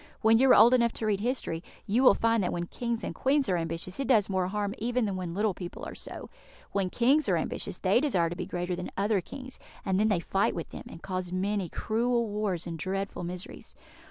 When you are old enough to read history, you will find that when Kings and Queens are ambitious, it does more harm even than when little people are so. When Kings are ambitious, they desire to be greater than other Kings, and then they fight with them, and cause many cruel wars and dreadful miseries.